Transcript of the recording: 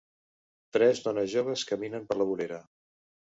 Tres dones joves caminen per la vorera.